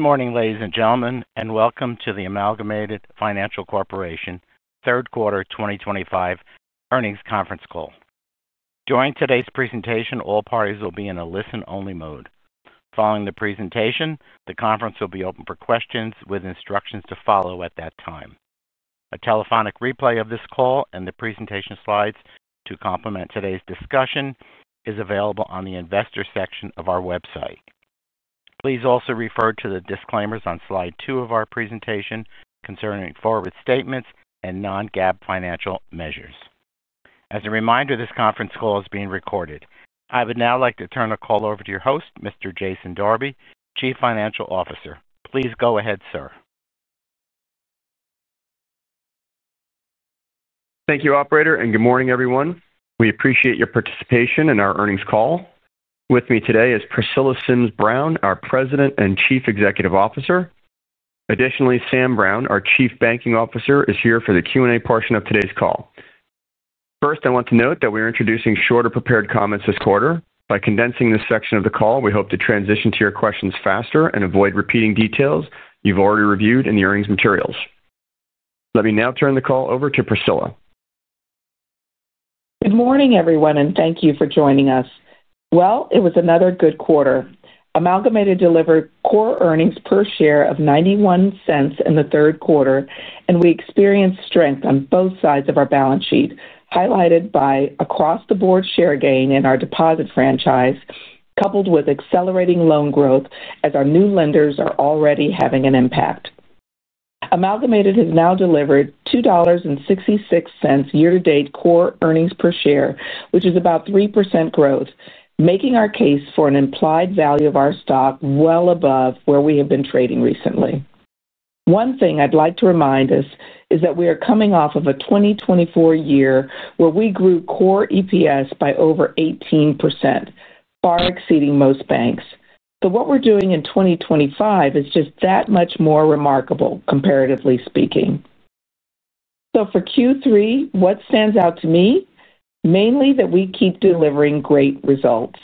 Good morning, ladies and gentlemen, and welcome to the Amalgamated Financial Corporation third quarter 2025 earnings conference call. During today's presentation, all parties will be in a listen-only mode. Following the presentation, the conference will be open for questions with instructions to follow at that time. A telephonic replay of this call and the presentation slides to complement today's discussion are available on the Investor section of our website. Please also refer to the disclaimers on slide two of our presentation concerning forward statements and non-GAAP financial measures. As a reminder, this conference call is being recorded. I would now like to turn the call over to your host, Mr. Jason Darby, Chief Financial Officer. Please go ahead, sir. Thank you, Operator, and good morning, everyone. We appreciate your participation in our earnings call. With me today is Priscilla Sims Brown, our President and Chief Executive Officer. Additionally, Sam Brown, our Chief Banking Officer, is here for the Q&A portion of today's call. First, I want to note that we are introducing shorter prepared comments this quarter. By condensing this section of the call, we hope to transition to your questions faster and avoid repeating details you've already reviewed in the earnings materials. Let me now turn the call over to Priscilla. Good morning, everyone, and thank you for joining us. It was another good quarter. Amalgamated delivered core earnings per share of $0.91 in the third quarter, and we experienced strength on both sides of our balance sheet, highlighted by across-the-board share gain in our deposit franchise, coupled with accelerating loan growth as our new lenders are already having an impact. Amalgamated has now delivered $2.66 year-to-date core earnings per share, which is about 3% growth, making our case for an implied value of our stock well above where we have been trading recently. One thing I'd like to remind us is that we are coming off of a 2024 year where we grew core EPS by over 18%, far exceeding most banks. What we're doing in 2025 is just that much more remarkable, comparatively speaking. For Q3, what stands out to me? Mainly that we keep delivering great results,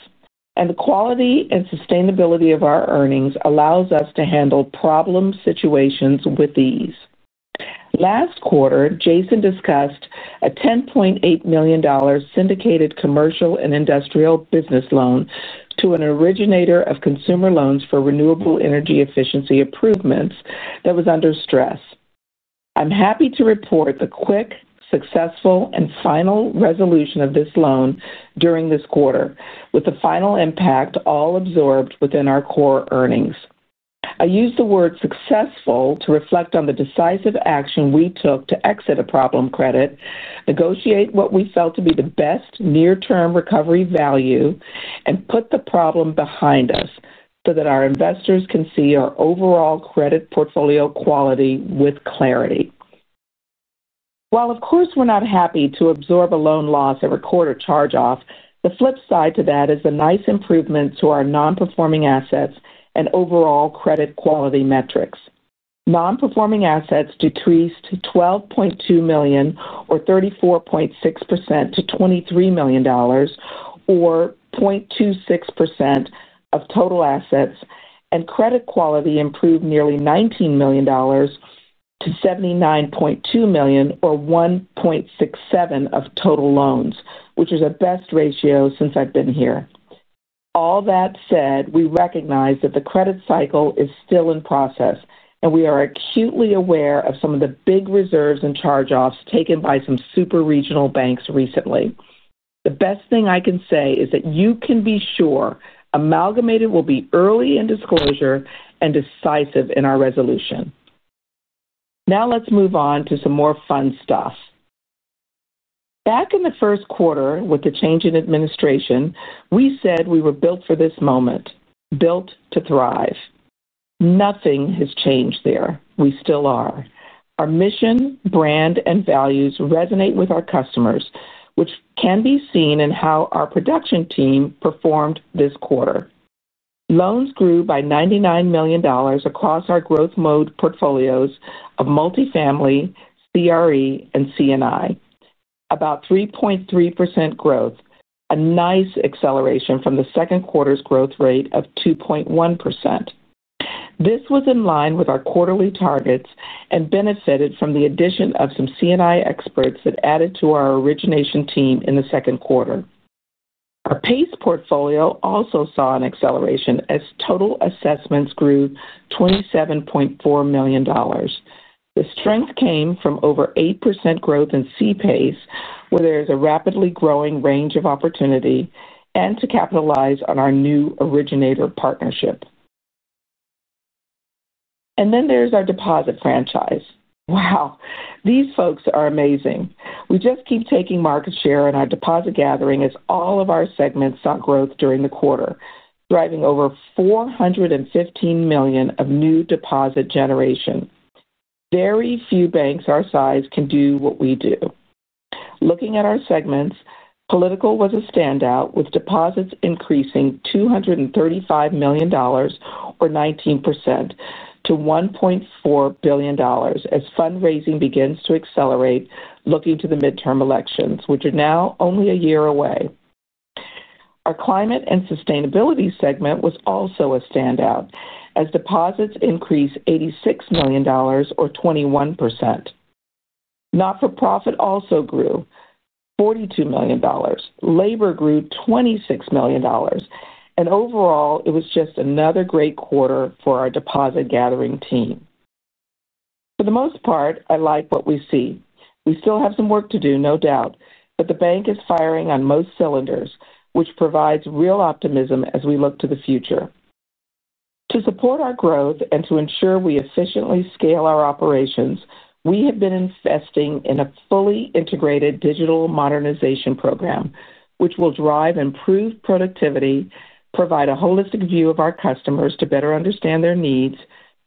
and the quality and sustainability of our earnings allow us to handle problem situations with ease. Last quarter, Jason discussed a $10.8 million syndicated C&I loan to an originator of consumer loans for renewable energy efficiency improvements that was under stress. I'm happy to report the quick, successful, and final resolution of this loan during this quarter, with the final impact all absorbed within our core earnings. I use the word "successful" to reflect on the decisive action we took to exit a problem credit, negotiate what we felt to be the best near-term recovery value, and put the problem behind us so that our investors can see our overall credit portfolio quality with clarity. While of course we're not happy to absorb a loan loss or record a charge-off, the flip side to that is a nice improvement to our non-performing assets and overall credit quality metrics. Non-performing assets decreased $12.2 million, or 34.6%, to $23 million, or 0.26% of total assets, and credit quality improved nearly $19 million to $79.2 million, or 1.67% of total loans, which was the best ratio since I've been here. All that said, we recognize that the credit cycle is still in process, and we are acutely aware of some of the big reserves and charge-offs taken by some super regional banks recently. The best thing I can say is that you can be sure Amalgamated will be early in disclosure and decisive in our resolution. Now let's move on to some more fun stuff. Back in the first quarter, with the change in administration, we said we were built for this moment, built to thrive. Nothing has changed there. We still are. Our mission, brand, and values resonate with our customers, which can be seen in how our production team performed this quarter. Loans grew by $99 million across our growth mode portfolios of multifamily, CRE, and C&I. About 3.3% growth, a nice acceleration from the second quarter's growth rate of 2.1%. This was in line with our quarterly targets and benefited from the addition of some C&I experts that added to our origination team in the second quarter. Our PACE portfolio also saw an acceleration as total assessments grew $27.4 million. The strength came from over 8% growth in CPACE, where there is a rapidly growing range of opportunity, and to capitalize on our new originator partnership. There is our deposit franchise. Wow, these folks are amazing. We just keep taking market share in our deposit gathering as all of our segments saw growth during the quarter, driving over $415 million of new deposit generation. Very few banks our size can do what we do. Looking at our segments, political was a standout, with deposits increasing $235 million, or 19%, to $1.4 billion as fundraising begins to accelerate, looking to the midterm elections, which are now only a year away. Our climate and sustainability segment was also a standout as deposits increased $86 million, or 21%. Not-for-profit also grew $42 million, labor grew $26 million, and overall it was just another great quarter for our deposit gathering team. For the most part, I like what we see. We still have some work to do, no doubt, but the bank is firing on most cylinders, which provides real optimism as we look to the future. To support our growth and to ensure we efficiently scale our operations, we have been investing in a fully integrated digital modernization platform, which will drive improved productivity, provide a holistic view of our customers to better understand their needs,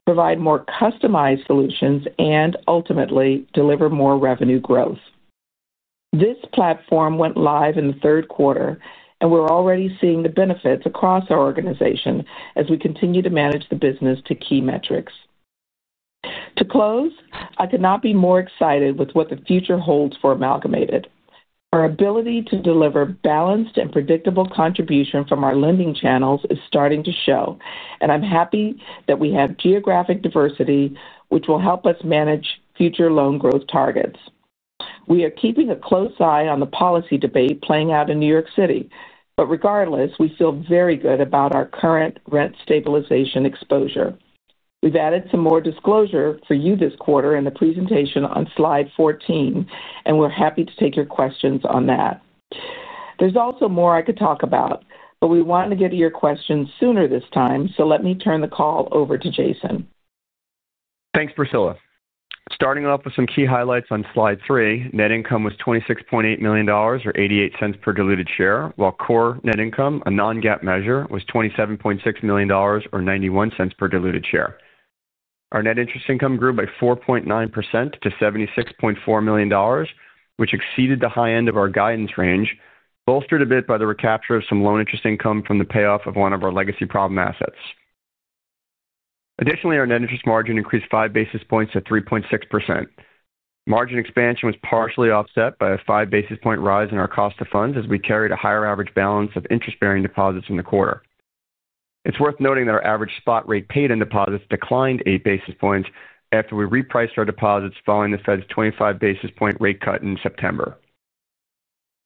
provide more customized solutions, and ultimately deliver more revenue growth. This platform went live in the third quarter, and we're already seeing the benefits across our organization as we continue to manage the business to key metrics. To close, I could not be more excited with what the future holds for Amalgamated. Our ability to deliver balanced and predictable contribution from our lending channels is starting to show, and I'm happy that we have geographic diversity, which will help us manage future loan growth targets. We are keeping a close eye on the policy debate playing out in New York City, but regardless, we feel very good about our current rent stabilization exposure. We've added some more disclosure for you this quarter in the presentation on slide 14, and we're happy to take your questions on that. There's also more I could talk about, but we want to get to your questions sooner this time, so let me turn the call over to Jason. Thanks, Priscilla. Starting off with some key highlights on slide three, net income was $26.8 million, or $0.88 per diluted share, while core net income, a non-GAAP measure, was $27.6 million, or $0.91 per diluted share. Our net interest income grew by 4.9% to $76.4 million, which exceeded the high end of our guidance range, bolstered a bit by the recapture of some loan interest income from the payoff of one of our legacy problem assets. Additionally, our net interest margin increased 5 basis points to 3.6%. Margin expansion was partially offset by a 5 basis point rise in our cost of funds as we carried a higher average balance of interest-bearing deposits in the quarter. It's worth noting that our average spot rate paid-in deposits declined 8 basis points after we repriced our deposits following the Federal Reserve's 25 basis point rate cut in September.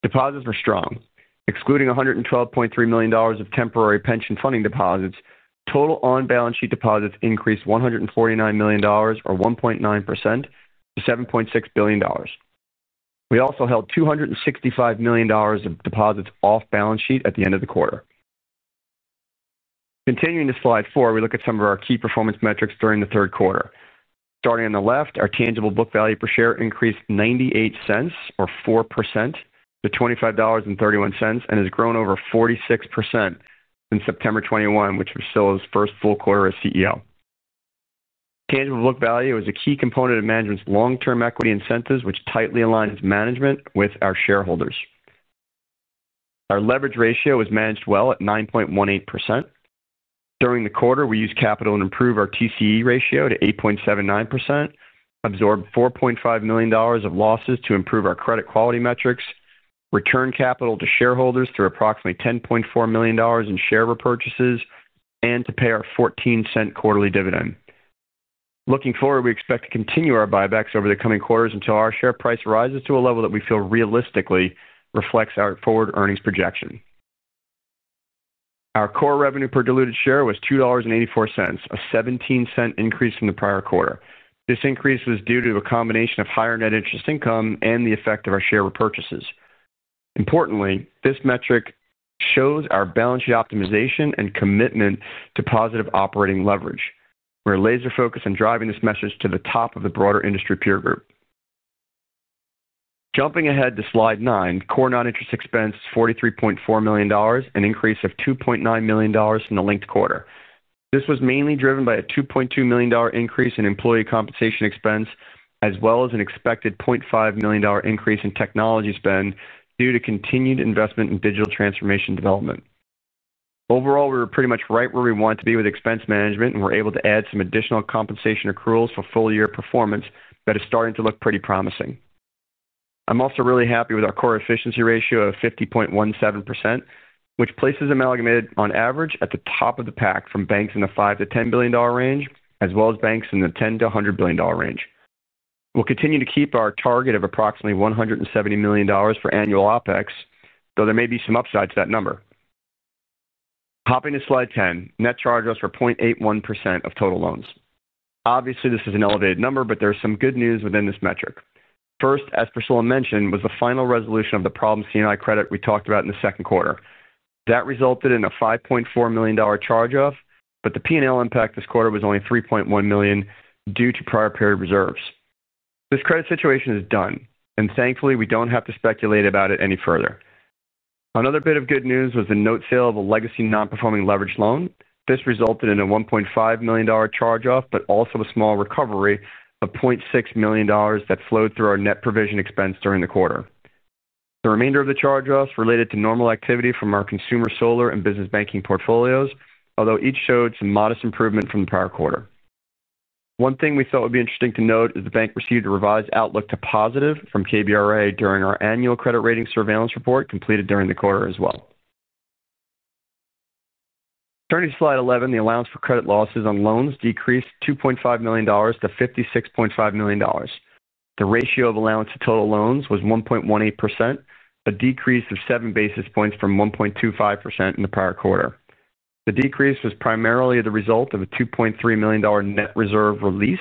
Deposits were strong. Excluding $112.3 million of temporary pension funding deposits, total on balance sheet deposits increased $149 million, or 1.9%, to $7.6 billion. We also held $265 million of deposits off balance sheet at the end of the quarter. Continuing to slide four, we look at some of our key performance metrics during the third quarter. Starting on the left, our tangible book value per share increased $0.98, or 4%, to $25.31, and has grown over 46% since September 2021, which was Priscilla's first full quarter as CEO. Tangible book value is a key component of management's long-term equity incentives, which tightly aligns management with our shareholders. Our leverage ratio was managed well at 9.18%. During the quarter, we used capital and improved our TCE ratio to 8.79%, absorbed $4.5 million of losses to improve our credit quality metrics, returned capital to shareholders through approximately $10.4 million in share repurchases, and to pay our $0.14 quarterly dividend. Looking forward, we expect to continue our buybacks over the coming quarters until our share price rises to a level that we feel realistically reflects our forward earnings projection. Our core revenue per diluted share was $2.84, a 17% increase from the prior quarter. This increase was due to a combination of higher net interest income and the effect of our share repurchases. Importantly, this metric shows our balance sheet optimization and commitment to positive operating leverage. We're laser-focused on driving this message to the top of the broader industry peer group. Jumping ahead to slide nine, core non-interest expense is $43.4 million, an increase of $2.9 million in the linked quarter. This was mainly driven by a $2.2 million increase in employee compensation expense, as well as an expected $0.5 million increase in technology spend due to continued investment in digital transformation development. Overall, we were pretty much right where we wanted to be with expense management, and we're able to add some additional compensation accruals for full-year performance that is starting to look pretty promising. I'm also really happy with our core efficiency ratio of 50.17%, which places Amalgamated on average at the top of the pack from banks in the $5 million-$10 billion range, as well as banks in the $10 million-$100 billion range. We'll continue to keep our target of approximately $170 million for annual OpEx, though there may be some upside to that number. Hopping to slide 10, net charge-offs were 0.81% of total loans. Obviously, this is an elevated number, but there's some good news within this metric. First, as Priscilla mentioned, was the final resolution of the problem C&I credit we talked about in the second quarter. That resulted in a $5.4 million charge-off, but the P&L impact this quarter was only $3.1 million due to prior period reserves. This credit situation is done, and thankfully we don't have to speculate about it any further. Another bit of good news was the note sale of a legacy non-performing leveraged loan. This resulted in a $1.5 million charge-off, but also a small recovery of $0.6 million that flowed through our net provision expense during the quarter. The remainder of the charge-offs related to normal activity from our consumer solar and business banking portfolios, although each showed some modest improvement from the prior quarter. One thing we thought would be interesting to note is the bank received a revised outlook to positive from KBRA during our annual credit rating surveillance report completed during the quarter as well. Turning to slide 11, the allowance for credit losses on loans decreased $2.5 million to $56.5 million. The ratio of allowance to total loans was 1.18%, a decrease of 7 basis points from 1.25% in the prior quarter. The decrease was primarily the result of a $2.3 million net reserve release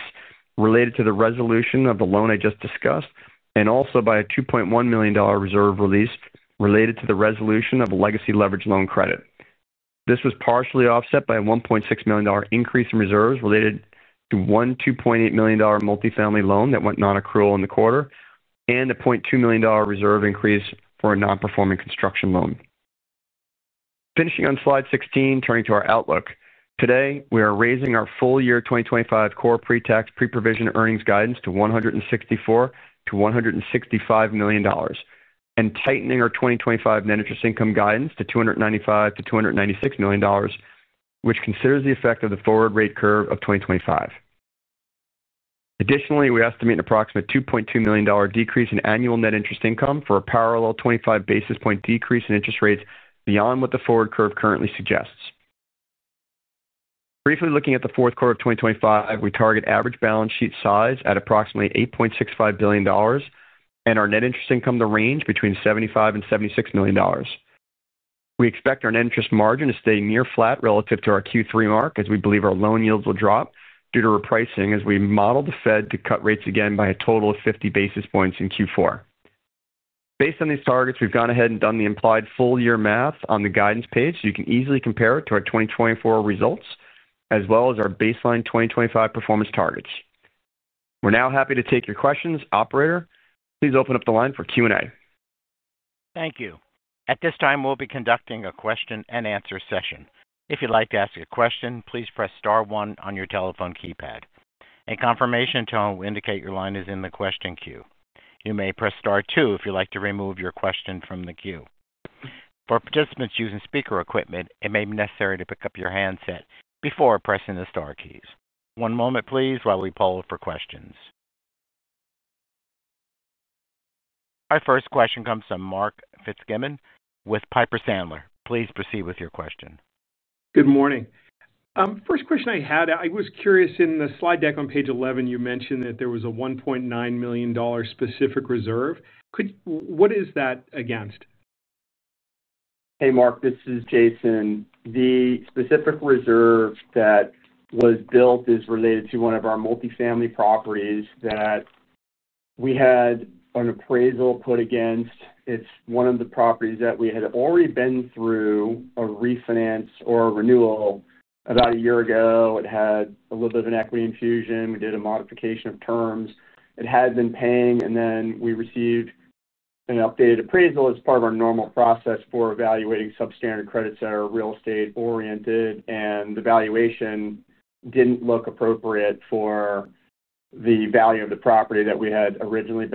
related to the resolution of the loan I just discussed, and also by a $2.1 million reserve release related to the resolution of a legacy leveraged loan credit. This was partially offset by a $1.6 million increase in reserves related to one $2.8 million multifamily loan that went non-accrual in the quarter, and a $0.2 million reserve increase for a non-performing construction loan. Finishing on slide 16, turning to our outlook. Today, we are raising our full-year 2025 core pre-tax pre-provision earnings guidance to $164 million-$165 million, and tightening our 2025 net interest income guidance to $295 million-$296 million, which considers the effect of the forward rate curve of 2025. Additionally, we estimate an approximate $2.2 million decrease in annual net interest income for a parallel 25 basis point decrease in interest rates beyond what the forward curve currently suggests. Briefly looking at the fourth quarter of 2025, we target average balance sheet size at approximately $8.65 billion, and our net interest income to range between $75 million and $76 million. We expect our net interest margin to stay near flat relative to our Q3 mark, as we believe our loan yields will drop due to repricing as we model the Fed to cut rates again by a total of 50 basis points in Q4. Based on these targets, we've gone ahead and done the implied full-year math on the guidance page, so you can easily compare it to our 2024 results, as well as our baseline 2025 performance targets. We're now happy to take your questions, Operator. Please open up the line for Q&A. Thank you. At this time, we'll be conducting a question and answer session. If you'd like to ask a question, please press star one on your telephone keypad. A confirmation tone will indicate your line is in the question queue. You may press star two if you'd like to remove your question from the queue. For participants using speaker equipment, it may be necessary to pick up your handset before pressing the star keys. One moment, please, while we poll for questions. Our first question comes from Mark Fitzgibbon with Piper Sandler. Please proceed with your question. Good morning. First question I had, I was curious, in the slide deck on page 11, you mentioned that there was a $1.9 million specific reserve. What is that against? Hey, Mark. This is Jason. The specific reserve that was built is related to one of our multifamily properties that we had an appraisal put against. It's one of the properties that we had already been through a refinance or a renewal about a year ago. It had a little bit of an equity infusion. We did a modification of terms. It had been paying, and then we received an updated appraisal as part of our normal process for evaluating substandard credits that are real estate-oriented, and the valuation didn't look appropriate for the value of the property that we had originally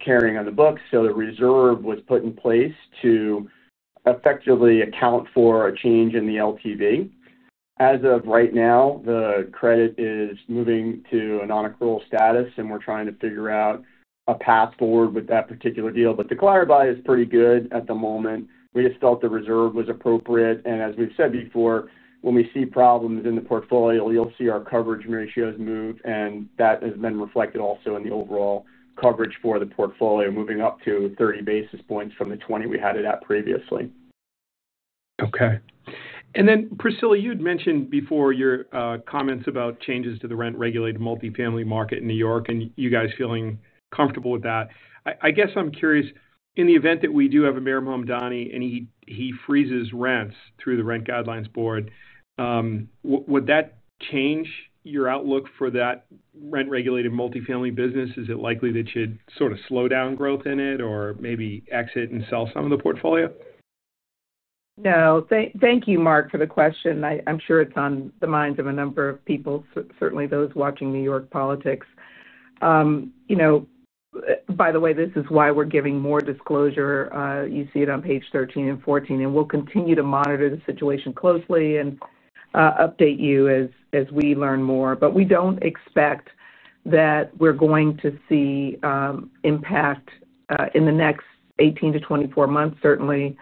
been carrying on the books. The reserve was put in place to effectively account for a change in the LTV. As of right now, the credit is moving to a non-accrual status, and we're trying to figure out a path forward with that particular deal. The clarity is pretty good at the moment. We just felt the reserve was appropriate, and as we've said before, when we see problems in the portfolio, you'll see our coverage ratios move, and that has been reflected also in the overall coverage for the portfolio, moving up to 30 basis points from the 20 we had it at previously. Okay. Priscilla, you'd mentioned before your comments about changes to the rent-regulated multifamily market in New York City, and you guys feeling comfortable with that. I'm curious, in the event that we do have a Mayor Mamdani and he freezes rents through the Rent Guidelines Board, would that change your outlook for that rent-regulated multifamily business? Is it likely that you'd sort of slow down growth in it or maybe exit and sell some of the portfolio? No, thank you, Mark, for the question. I'm sure it's on the minds of a number of people, certainly those watching New York politics. By the way, this is why we're giving more disclosure. You see it on page 13 and 14, and we'll continue to monitor the situation closely and update you as we learn more. We don't expect that we're going to see impact in the next 18 months-24 months, certainly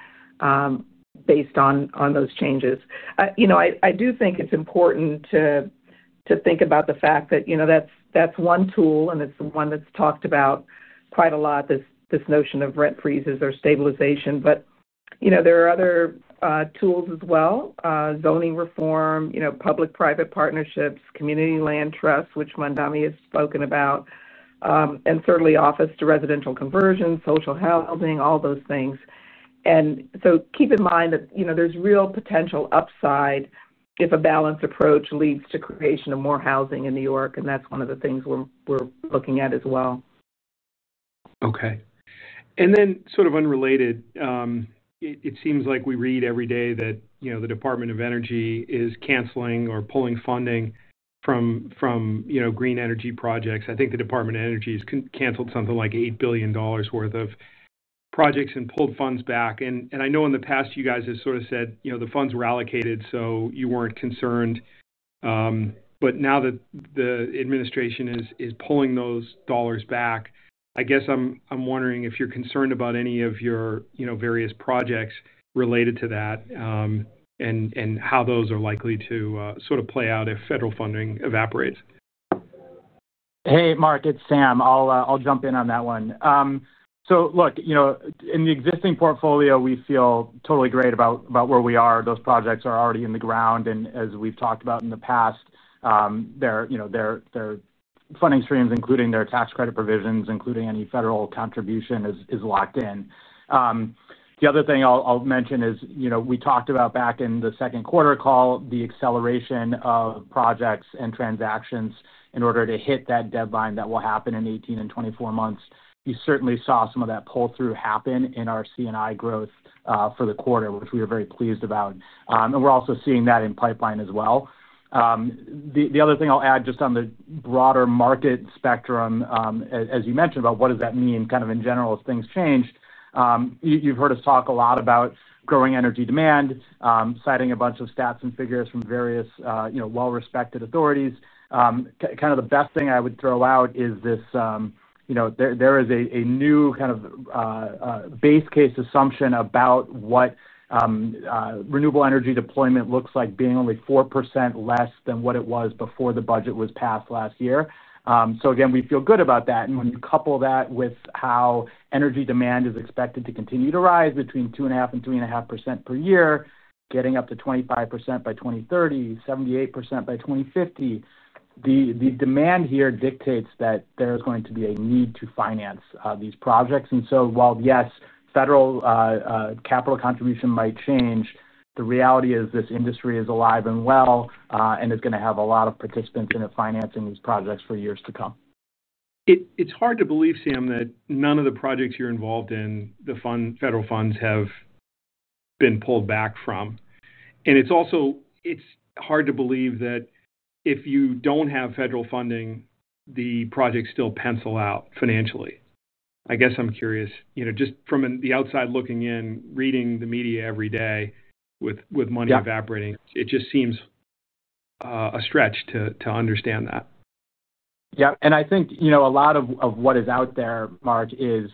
based on those changes. I do think it's important to think about the fact that that's one tool, and it's the one that's talked about quite a lot, this notion of rent freezes or stabilization. There are other tools as well: zoning reform, public-private partnerships, community land trusts, which Mamdani has spoken about, and certainly office to residential conversion, social housing, all those things. Keep in mind that there's real potential upside if a balanced approach leads to creation of more housing in New York, and that's one of the things we're looking at as well. Okay. It seems like we read every day that, you know, the Department of Energy is canceling or pulling funding from, you know, green energy projects. I think the Department of Energy has canceled something like $8 billion worth of projects and pulled funds back. I know in the past you guys have sort of said, you know, the funds were allocated, so you weren't concerned. Now that the administration is pulling those dollars back, I guess I'm wondering if you're concerned about any of your, you know, various projects related to that and how those are likely to sort of play out if federal funding evaporates. Hey, Mark, it's Sam. I'll jump in on that one. In the existing portfolio, we feel totally great about where we are. Those projects are already in the ground, and as we've talked about in the past, their funding streams, including their tax credit provisions, including any federal contribution, is locked in. The other thing I'll mention is, we talked about back in the second quarter call the acceleration of projects and transactions in order to hit that deadline that will happen in 18 and 24 months. You certainly saw some of that pull-through happen in our C&I growth for the quarter, which we are very pleased about. We're also seeing that in pipeline as well. The other thing I'll add just on the broader market spectrum, as you mentioned about what does that mean kind of in general as things change, you've heard us talk a lot about growing energy demand, citing a bunch of stats and figures from various well-respected authorities. Kind of the best thing I would throw out is this, there is a new kind of base case assumption about what renewable energy deployment looks like, being only 4% less than what it was before the budget was passed last year. We feel good about that. When you couple that with how energy demand is expected to continue to rise between 2.5% and 3.5% per year, getting up to 25% by 2030, 78% by 2050, the demand here dictates that there's going to be a need to finance these projects. While, yes, federal capital contribution might change, the reality is this industry is alive and well and is going to have a lot of participants in it financing these projects for years to come. It's hard to believe, Sam, that none of the projects you're involved in, the federal funds have been pulled back from. It's also hard to believe that if you don't have federal funding, the projects still pencil out financially. I guess I'm curious, just from the outside looking in, reading the media every day with money evaporating, it just seems a stretch to understand that. Yeah, I think a lot of what is out there, Mark, is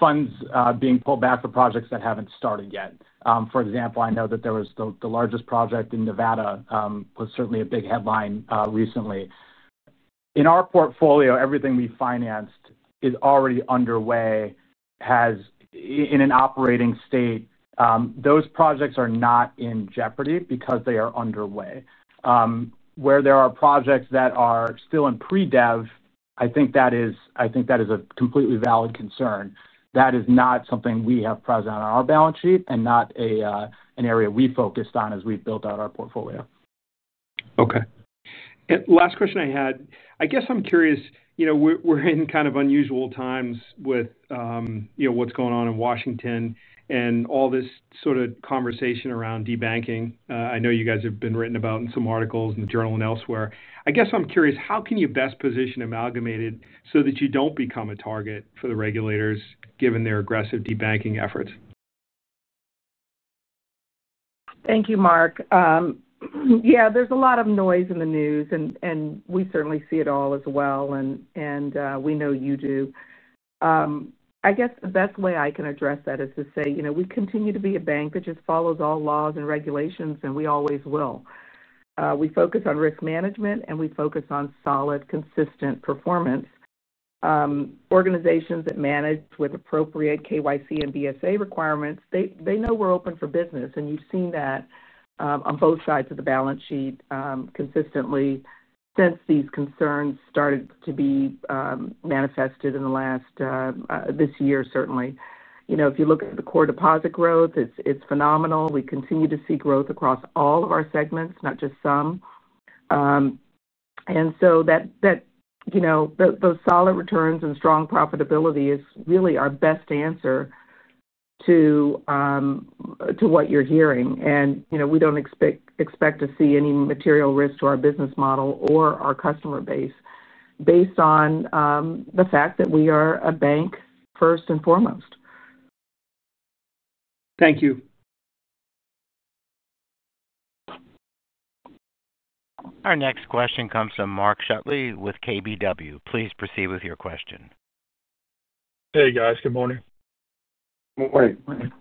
funds being pulled back for projects that haven't started yet. For example, I know that the largest project in Nevada was certainly a big headline recently. In our portfolio, everything we financed is already underway, is in an operating state. Those projects are not in jeopardy because they are underway. Where there are projects that are still in pre-dev, I think that is a completely valid concern. That is not something we have present on our balance sheet and not an area we focused on as we built out our portfolio. Okay. Last question I had, I guess I'm curious, you know, we're in kind of unusual times with, you know, what's going on in Washington and all this sort of conversation around debanking. I know you guys have been written about in some articles in the Journal and elsewhere. I guess I'm curious, how can you best position Amalgamated so that you don't become a target for the regulators given their aggressive debanking efforts? Thank you, Mark. Yeah, there's a lot of noise in the news, and we certainly see it all as well, and we know you do. I guess the best way I can address that is to say, you know, we continue to be a bank that just follows all laws and regulations, and we always will. We focus on risk management, and we focus on solid, consistent performance. Organizations that manage with appropriate KYC and BSA requirements know we're open for business, and you've seen that on both sides of the balance sheet consistently since these concerns started to be manifested in the last, this year, certainly. If you look at the core deposit growth, it's phenomenal. We continue to see growth across all of our segments, not just some. That, you know, those solid returns and strong profitability is really our best answer to what you're hearing. We don't expect to see any material risk to our business model or our customer base based on the fact that we are a bank first and foremost. Thank you. Our next question comes from Mark Shutley with KBW. Please proceed with your question. Hey, guys, good morning. Good morning.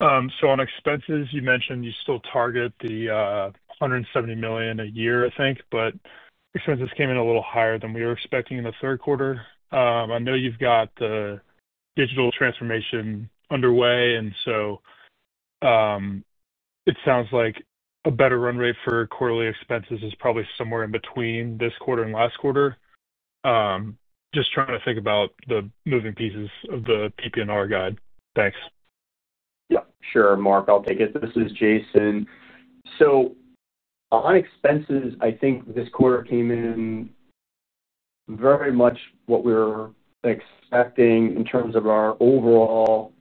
On expenses, you mentioned you still target the $170 million a year, I think, but expenses came in a little higher than we were expecting in the third quarter. I know you've got the digital modernization platform underway, and it sounds like a better run rate for quarterly expenses is probably somewhere in between this quarter and last quarter. Just trying to think about the moving pieces of the PP&R guide. Thanks. Yeah, sure, Mark, I'll take it. This is Jason. On expenses, I think this quarter came in very much what we were expecting in terms of our overall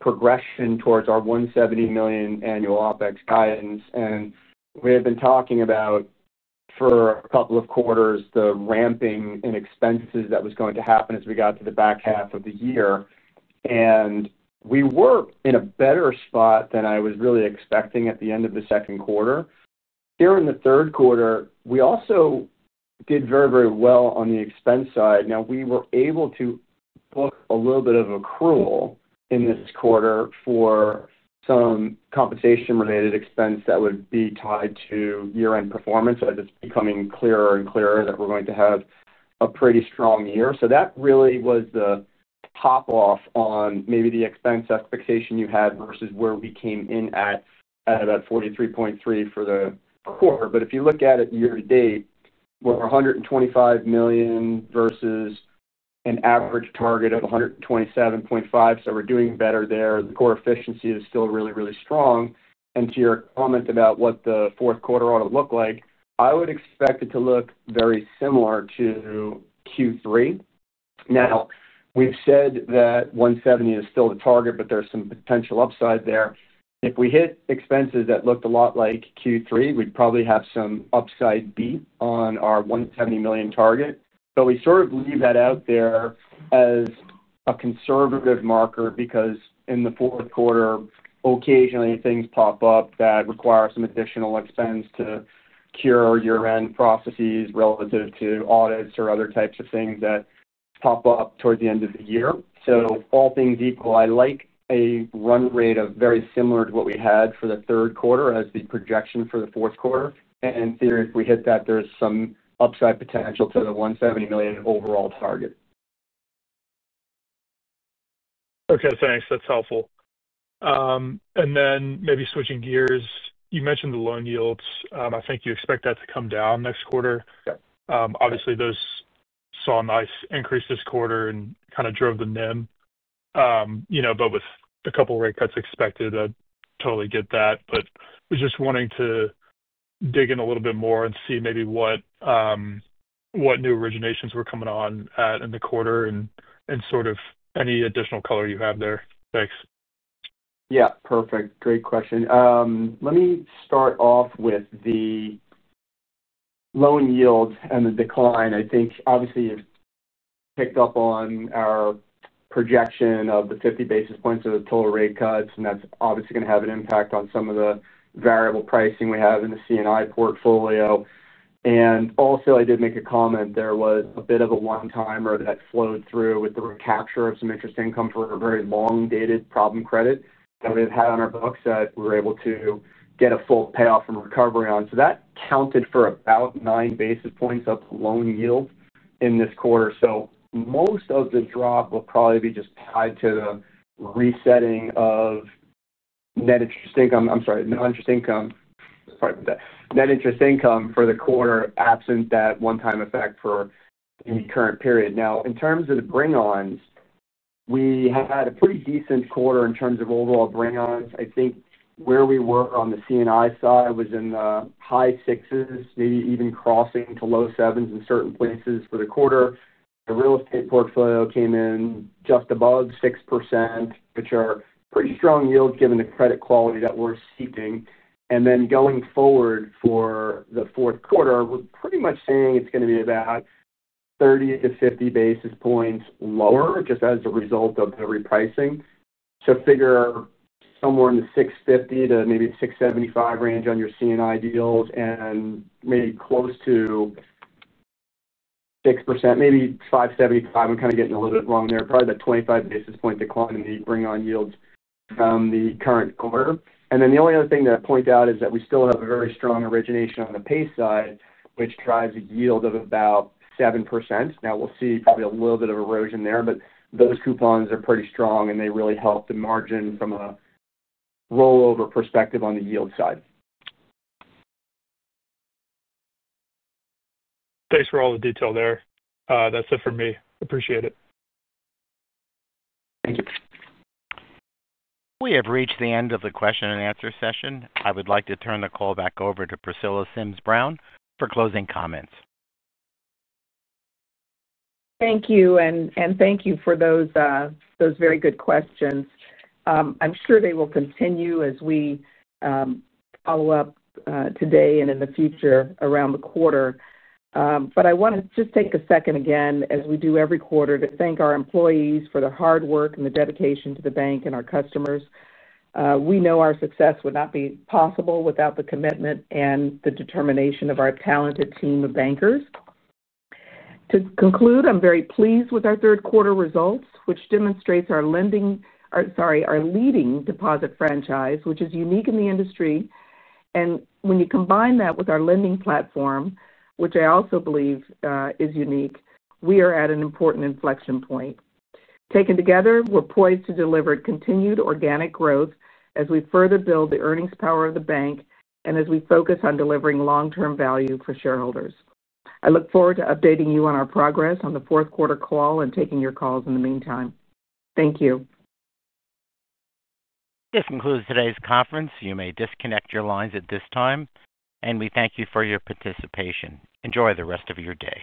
progression towards our $170 million annual OpEx guidance. We had been talking about for a couple of quarters the ramping in expenses that was going to happen as we got to the back half of the year. We were in a better spot than I was really expecting at the end of the second quarter. Here in the third quarter, we also did very, very well on the expense side. We were able to book a little bit of accrual in this quarter for some compensation-related expense that would be tied to year-end performance. It's becoming clearer and clearer that we're going to have a pretty strong year. That really was the top off on maybe the expense expectation you had versus where we came in at about $43.3 million for the quarter. If you look at it year to date, we're $125 million versus an average target of $127.5 million. We're doing better there. The core efficiency is still really, really strong. To your comment about what the fourth quarter ought to look like, I would expect it to look very similar to Q3. We've said that $170 million is still the target, but there's some potential upside there. If we hit expenses that looked a lot like Q3, we'd probably have some upside beat on our $170 million target. We sort of leave that out there as a conservative marker because in the fourth quarter, occasionally things pop up that require some additional expense to cure our year-end processes relative to audits or other types of things that pop up towards the end of the year. All things equal, I like a run rate of very similar to what we had for the third quarter as the projection for the fourth quarter. In theory, if we hit that, there's some upside potential to the $170 million overall target. Okay, thanks. That's helpful. Maybe switching gears, you mentioned the loan yields. I think you expect that to come down next quarter. Obviously, those saw a nice increase this quarter and kind of drove the NIM. With a couple of rate cuts expected, I totally get that. We're just wanting to dig in a little bit more and see maybe what new originations were coming on in the quarter and sort of any additional color you have there. Thanks. Yeah, perfect. Great question. Let me start off with the loan yield and the decline. I think obviously you've picked up on our projection of the 50 basis points of total rate cuts, and that's obviously going to have an impact on some of the variable pricing we have in the C&I portfolio. I did make a comment. There was a bit of a one-timer that flowed through with the recapture of some interest income for a very long-dated problem credit that we have had on our books that we were able to get a full payoff and recovery on. That counted for about 9 basis points of loan yield in this quarter. Most of the drop will probably be just tied to the resetting of net interest income. I'm sorry, net interest income for the quarter absent that one-time effect for the current period. In terms of the bring-ons, we had a pretty decent quarter in terms of overall bring-ons. I think where we were on the C&I side was in the high sixes, maybe even crossing to low sevens in certain places for the quarter. The real estate portfolio came in just above 6%, which are pretty strong yields given the credit quality that we're seeking. Going forward for the fourth quarter, we're pretty much saying it's going to be about 30-50 basis points lower just as a result of the repricing. Figure somewhere in the $650 to maybe $675 range on your C&I deals and maybe close to 6%, maybe $575. I'm kind of getting a little bit wrong there. Probably that 25 basis point decline in the bring-on yields from the current quarter. The only other thing that I point out is that we still have a very strong origination on the PACE side, which drives a yield of about 7%. We'll see probably a little bit of erosion there, but those coupons are pretty strong, and they really help the margin from a rollover perspective on the yield side. Thanks for all the detail there. That's it for me. Appreciate it. Thank you. We have reached the end of the question and answer session. I would like to turn the call back over to Priscilla Sims Brown for closing comments. Thank you, and thank you for those very good questions. I'm sure they will continue as we follow up today and in the future around the quarter. I want to just take a second again, as we do every quarter, to thank our employees for their hard work and the dedication to the bank and our customers. We know our success would not be possible without the commitment and the determination of our talented team of bankers. To conclude, I'm very pleased with our third quarter results, which demonstrate our leading deposit franchise, which is unique in the industry. When you combine that with our lending platform, which I also believe is unique, we are at an important inflection point. Taken together, we're poised to deliver continued organic growth as we further build the earnings power of the bank and as we focus on delivering long-term value for shareholders. I look forward to updating you on our progress on the fourth quarter call and taking your calls in the meantime. Thank you. This concludes today's conference. You may disconnect your lines at this time, and we thank you for your participation. Enjoy the rest of your day.